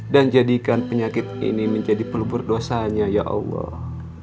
dan jadikan penyakit ini menjadi pelupur dosanya ya allah